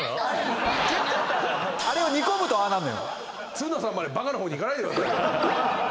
つるのさんまでバカな方に行かないでくださいよ。